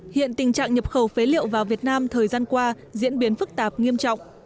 hiện tình trạng nhập khẩu phế liệu vào việt nam thời gian qua diễn biến phức tạp nghiêm trọng